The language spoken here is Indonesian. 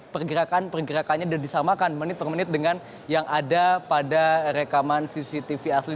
pergerakan pergerakannya dan disamakan menit per menit dengan yang ada pada rekaman cctv asli